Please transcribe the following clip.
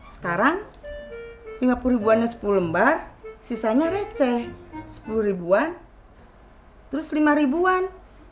sekarang lima puluh ribuan sepuluh lembar sisanya receh sepuluh ribuan terus lima ribuan